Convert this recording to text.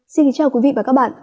xin chào quý vị và các bạn